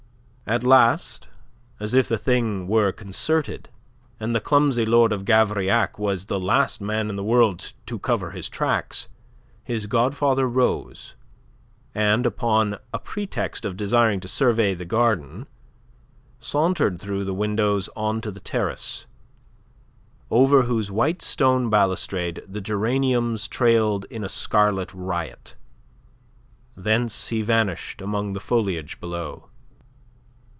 At last, as if the thing were concerted and the clumsy Lord of Gavrillac was the last man in the world to cover his tracks his godfather rose and, upon a pretext of desiring to survey the garden, sauntered through the windows on to the terrace, over whose white stone balustrade the geraniums trailed in a scarlet riot. Thence he vanished among the foliage below.